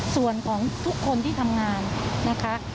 ส่วนของทุกคนที่ทำงานนะคะ